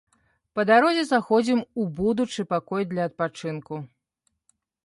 Па дарозе заходзім у будучы пакой для адпачынку.